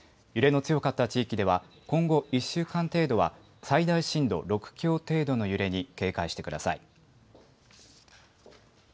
揺れの強かった地域では今後１週間程度は最大震度６強程度の揺れに警戒してください。